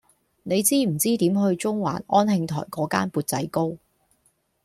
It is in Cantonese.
你知唔知點去中環安慶台嗰間缽仔糕